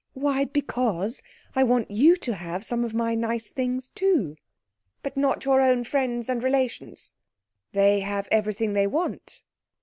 "Why, because I want you to have some of my nice things too." "But not your own friends and relations?" "They have everything they want."